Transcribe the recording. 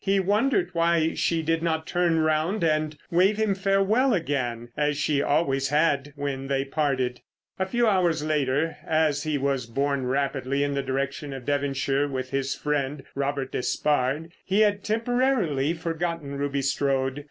He wondered why she did not turn round and wave him farewell again as she always had when they parted. A few hours later as he was borne rapidly in the direction of Devonshire with his friend, Robert Despard, he had temporarily forgotten Ruby Strode.